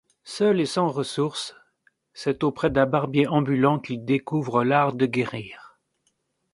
Seul et sans ressource, c’est auprès d’un barbier ambulant qu’il découvre l’art de guérir.